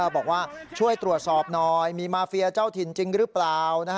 บอกว่าช่วยตรวจสอบหน่อยมีมาเฟียเจ้าถิ่นจริงหรือเปล่า